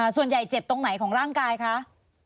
ส่วนใหญ่เจ็บตรงไหนของร่างกายคะ